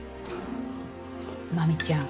麻美ちゃん